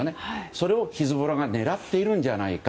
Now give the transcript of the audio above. それをヒズボラが狙っているんじゃないか。